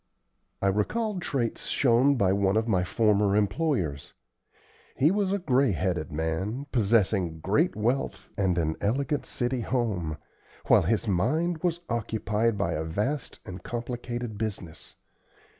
I recalled traits shown by one of my former employers. He was a gray headed man, possessing great wealth and an elegant city home, while his mind was occupied by a vast and complicated business.